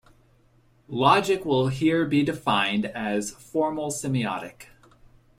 Logic will here be defined as "formal semiotic".